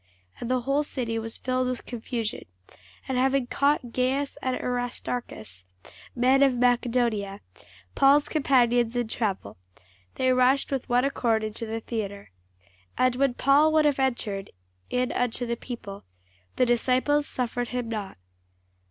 And the whole city was filled with confusion: and having caught Gaius and Aristarchus, men of Macedonia, Paul's companions in travel, they rushed with one accord into the theatre. And when Paul would have entered in unto the people, the disciples suffered him not.